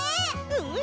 うん！